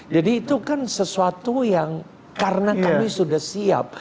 jadi itu kan sesuatu yang karena kami sudah siap